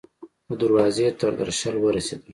د دروازې تر درشل ورسیدل